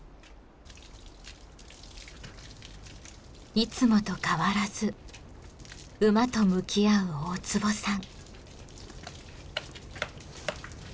いつもと変わらず馬と向き合う大坪さん。